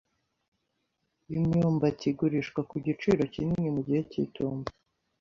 Imyumbati igurishwa ku giciro kinini mu gihe cy'itumba.